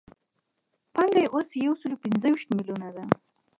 پانګه یې اوس یو سل پنځه ویشت میلیونه ده